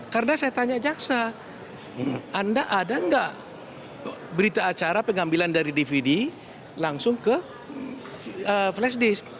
karena saya tanya jaksa anda ada nggak berita acara pengambilan dari dvd langsung ke flash disk